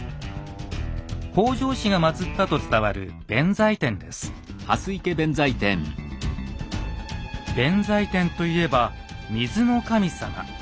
北条氏が祭ったと伝わる弁財天といえば水の神様。